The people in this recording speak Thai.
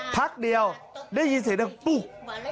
พักเดียวได้ยินเสียงดังปุ๊ก